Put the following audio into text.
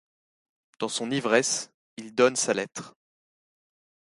Dans son ivresse, il donne sa lettre.